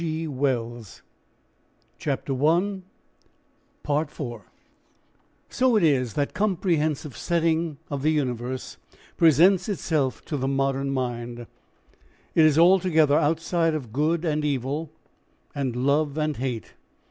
THE LIFE FORCE IS NOT GOD So it is that comprehensive setting of the universe presents itself to the modern mind. It is altogether outside good and evil and love and hate.